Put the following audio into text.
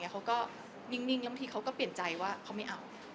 เขาก็นิ่งแล้วบางทีเขาก็เปลี่ยนใจว่าเขาไม่เอา